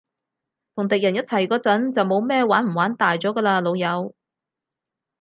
同敵人一齊嗰陣，就冇咩玩唔玩大咗㗎喇，老友